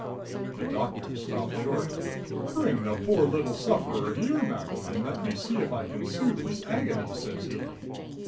The Doctor stopped short. "Bring the poor little sufferer here, Madam, and let me see if I can soothe his agony," says he.